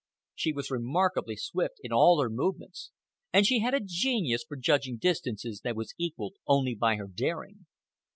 She was remarkably swift in all her movements, and she had a genius for judging distances that was equalled only by her daring.